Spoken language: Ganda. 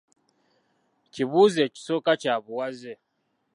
Kibuuzo ekisooka kya buwaze.